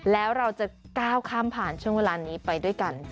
แล้วเราจะก้าวข้ามผ่านช่วงเวลานี้ไปด้วยกัน